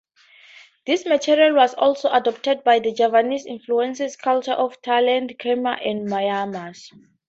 This material was also adopted by the Javanese-influenced cultures of Thailand, Khmer and Myanmar.